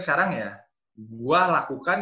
sekarang ya gue lakukan